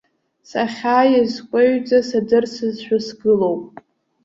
Сахьааиз, скәаҩӡа, садырсызшәа сгылоуп.